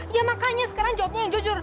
ya makanya sekarang jawabnya yang jujur